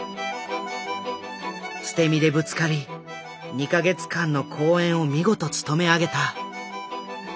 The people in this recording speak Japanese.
捨て身でぶつかり２か月間の公演を見事務め上げた。